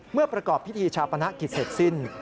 เมื่อประกอบพิธีชาปนกิจเสร็จสิ้น